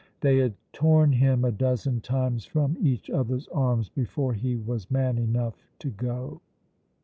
They had torn him a dozen times from each other's arms before he was man enough to go.